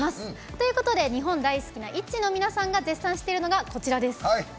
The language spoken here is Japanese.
ということで日本大好きなＩＴＺＹの皆さんが絶賛しているのが、こちらです。